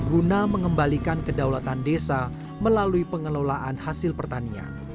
guna mengembalikan kedaulatan desa melalui pengelolaan hasil pertanian